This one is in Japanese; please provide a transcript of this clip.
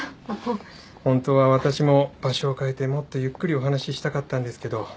ホントは私も場所を変えてもっとゆっくりお話したかったんですけど。